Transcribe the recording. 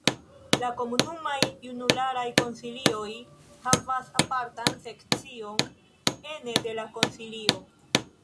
La komunumaj junularaj konsilioj havas apartan sekcion ene de la Konsilio.